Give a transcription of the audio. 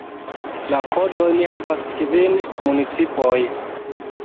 La kodojn havas kvin municipoj.